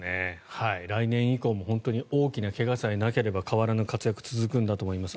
来年以降も大きな怪我さえなければ変わらぬ活躍が続くんだと思います。